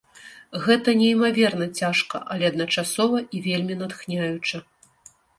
Гэта неймаверна цяжка, але адначасова і вельмі натхняюча.